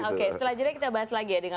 oke nanti setelah ini kita bahas lagi ya